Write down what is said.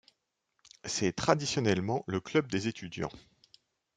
C'est traditionnellement le club des étudiants.